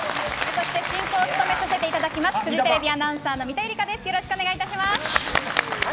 そして進行を務めさせていただくフジテレビアナウンサーの三田友梨佳です。